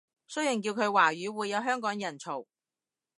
雖然叫佢華語會有香港人嘈